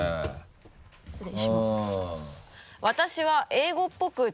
失礼します。